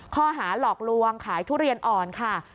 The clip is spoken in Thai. ข้อหาหลอกลวงขายทุเรียนอ่อนค่ะ